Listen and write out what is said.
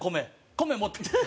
米持って。